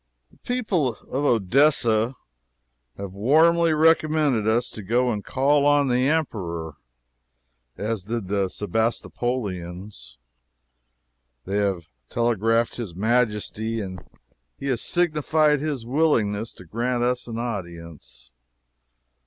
The people of Odessa have warmly recommended us to go and call on the Emperor, as did the Sebastopolians. They have telegraphed his Majesty, and he has signified his willingness to grant us an audience.